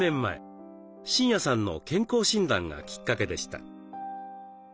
真也さんの健康診断がきっかけでした。